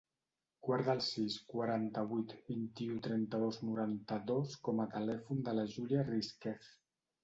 Guarda el sis, quaranta-vuit, vint-i-u, trenta-dos, noranta-dos com a telèfon de la Júlia Risquez.